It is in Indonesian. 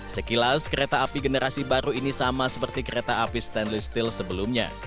sekilas kereta api generasi baru ini sama seperti kereta api stainless steel sebelumnya